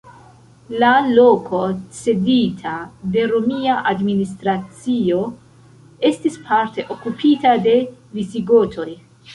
La loko cedita de romia administracio estis parte okupita de Visigotoj.